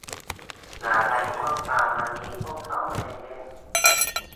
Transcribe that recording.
อย่างไรก็ตามวันนี้พวกเขาไม่ได้เล่น